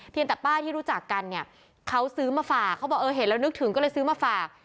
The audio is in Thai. แต่ป้าที่รู้จักกันเนี่ยเขาซื้อมาฝากเขาบอกเออเห็นแล้วนึกถึงก็เลยซื้อมาฝาก